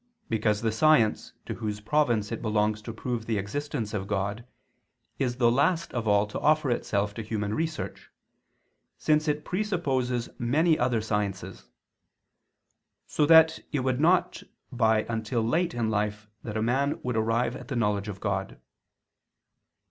Because the science to whose province it belongs to prove the existence of God, is the last of all to offer itself to human research, since it presupposes many other sciences: so that it would not by until late in life that man would arrive at the knowledge of God.